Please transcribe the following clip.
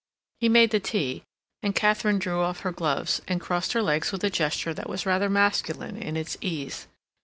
He made the tea, and Katharine drew off her gloves, and crossed her legs with a gesture that was rather masculine in its ease.